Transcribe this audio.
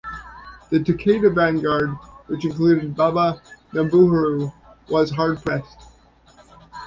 The Takeda vanguard, which included Baba Nobuharu, was hard-pressed.